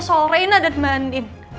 sorena dan andin